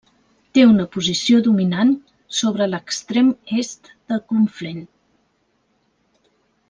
Té una posició dominant sobre l'extrem est del Conflent.